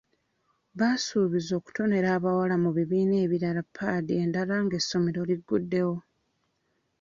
Basuubiza okutonera abawala mu bibiina ebirala paadi endala ng'essomero liguddewo.